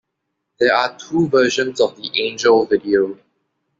There are two versions of the "Angel" video.